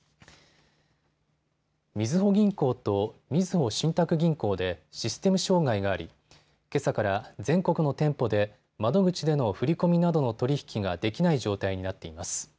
みずほ銀行と、みずほ信託銀行でシステム障害がありけさから全国の店舗で窓口での振り込みなどの取り引きができない状態になっています。